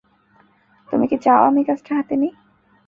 তুমি কি চাও আমি কাজটা হাতে নিই?